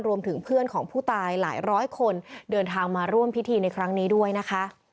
รวมถึงเพื่อนของผู้ตายหลายร้อยคนเดินทางมาร่วมพิธีในครั้งนี้ด้วยนะคะ